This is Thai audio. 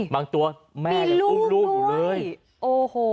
บางตัวแม่กับปุ๊บลูกอุ้ยมีรูปด้วยโอ้โห